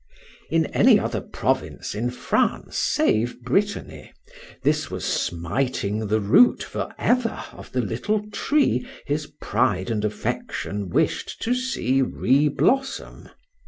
In any other province in France, save Brittany, this was smiting the root for ever of the little tree his pride and affection wish'd to see re blossom.